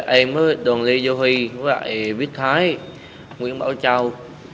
em với đồng lý dô huy với lại viết thái nguyễn bảo châu